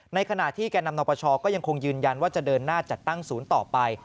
ในขณะที่แก่นำนปชก็ยังคงยืนยันว่าจะเดินหน้าจัดตั้งศูนย์ต่อไป